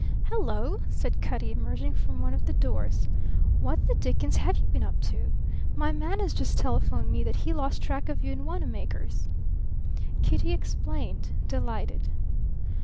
"Hello!" said Cutty, emerging from one of the doors. "What the dickens have you been up to? My man has just telephoned me that he lost track of you in Wanamaker's." Kitty explained, delighted.